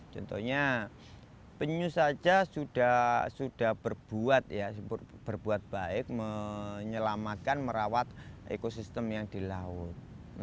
contohnya penyu saja sudah berbuat baik menyelamatkan merawat ekosistem yang di laut